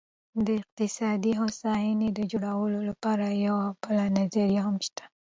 د اقتصادي هوساینې د جوړولو لپاره یوه بله نظریه هم شته.